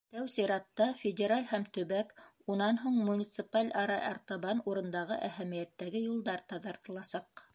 Тәү сиратта федераль һәм төбәк, унан һуң — муниципаль-ара, артабан урындағы әһәмиәттәге юлдар таҙартыласаҡ.